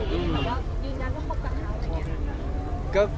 ยืนยันว่าพบกันครับ